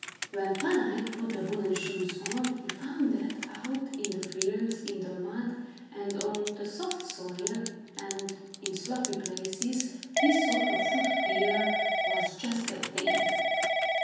When Van Eyck put the wooden shoes on, he found that out in the fields, in the mud, and on the soft soil, and in sloppy places, this sort of foot gear was just the thing.